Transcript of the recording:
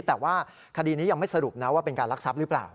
แต่ว่าคดีนี้ยังไม่สรุปนะว่าเป็นการรักทรัพย์หรือเปล่า